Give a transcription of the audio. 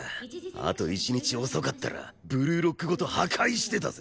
あと１日遅かったらブルーロックごと破壊してたぜ。